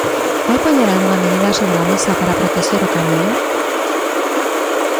¿Vai poñer algunha medida sobre a mesa para protexer o Camiño?